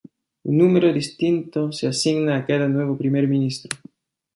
Un número distinto se asigna a cada nuevo Primer Ministro.